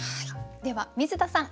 では水田さん